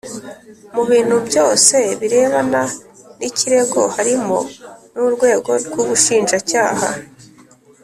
Mubintu byose birebana nikirego harimo nurwego rwubushinjacyaha